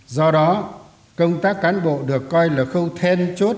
do đó công tác cán bộ được coi là khâu then chốt